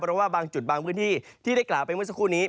เพราะว่าบางจุดบางพื้นที่ที่ได้กล่าวไปเมื่อสักครู่นี้